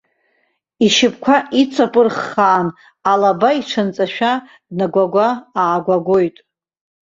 Ишьапқәа иҵаԥырыххаан, алаба иҽанҵашәа днагәагәа-аагәагәоит.